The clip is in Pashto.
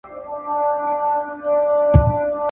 نن سهار له کندهار څخه `